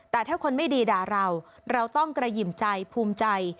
แต่ถ้าคนไม่ดีด่าเราเราต้องกระหยิ่มใจภูมิใจ